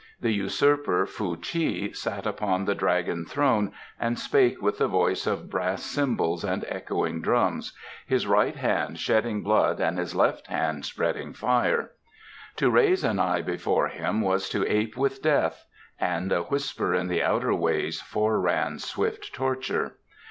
The usurper Fuh chi sat upon the dragon throne and spake with the voice of brass cymbals and echoing drums, his right hand shedding blood and his left hand spreading fire. To raise an eye before him was to ape with death, and a whisper in the outer ways foreran swift torture.